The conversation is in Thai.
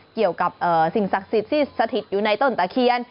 เกี่ยวกับสิ่งศักดิ์สิทธิ์ที่สถิตอยู่ในต้นตะเคียน